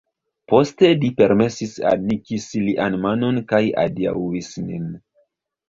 Poste li permesis al ni kisi lian manon kaj adiaŭis nin.